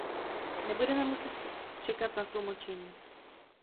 Nebudeme muset čekat na tlumočení.